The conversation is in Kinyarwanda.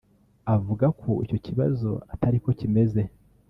avuga ko icyo kibazo atari ko kimeze